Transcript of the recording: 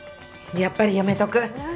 やっぱりやめとく。